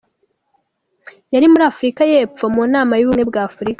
Yari muri Afrika y'epfo mu nama y' Ubumwe bwa Afrika.